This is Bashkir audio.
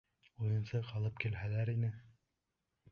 Уйынсыҡ алып килһәләр ине.